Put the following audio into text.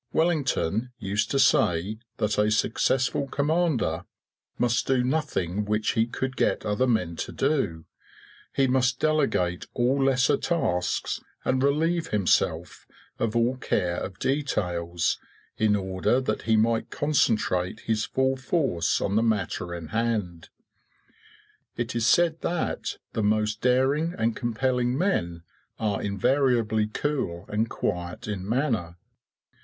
Wellington used to say that a successful commander must do nothing which he could get other men to do; he must delegate all lesser tasks and relieve himself of all care of details, in order that he might concentrate his full force on the matter in hand. It is said that the most daring and compelling men are invariably cool and quiet in manner.